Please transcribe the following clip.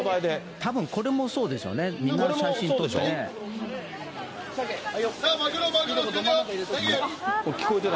たぶん、これもそうでしょうね、みんな写真撮って。